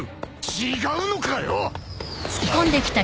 違うのかよ！